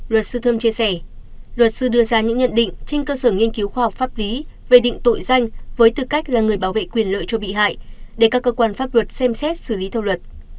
luật sư thơm chia sẻ luật sư đưa ra những nhận định trên cơ sở nghiên cứu khoa học pháp lý về định tội danh với tư cách là người bảo vệ quyền lợi cho bị hại để các cơ quan pháp luật xem xét xử lý theo luật